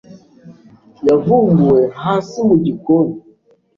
Yavumbuwe hasi mu gikoni.